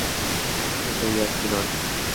এটা ইয়ার্কি নয়।